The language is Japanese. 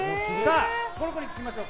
この子に聞きましょう。